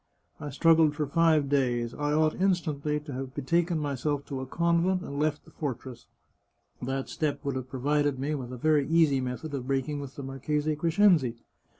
I struggled for five days ; I ought instantly to have betaken myself to a convent, and left the fortress. That step would have provided me with a very easy method of break ing with the Marchese Crescenzi.